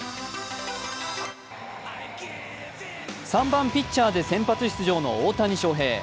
３番・ピッチャーで先発出場の大谷翔平。